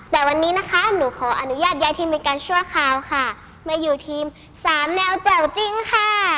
แต่วันนี้นะคะหนูขออนุญาตย้ายทีมเป็นการชั่วคราวค่ะมาอยู่ทีมสามแนวแจ่วจริงค่ะ